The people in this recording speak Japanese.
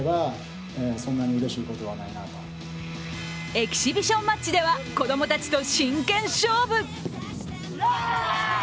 エキシビションマッチでは子どもたちと真剣勝負。